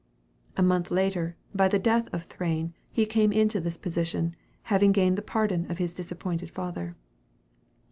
A month later, by the death of Thrane, he came into this position, having gained the pardon of his disappointed father.